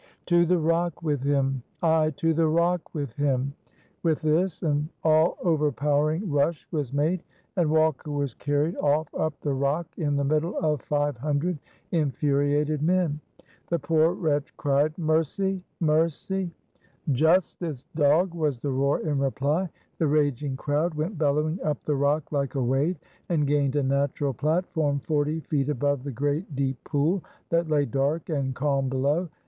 "To the rock with him!" "Ay, to the rock with him." With this, an all overpowering rush was made, and Walker was carried off up the rock in the middle of five hundred infuriated men. The poor wretch cried, "Mercy! mercy!" "Justice! dog," was the roar in reply. The raging crowd went bellowing up the rock like a wave, and gained a natural platform forty feet above the great deep pool that lay dark and calm below.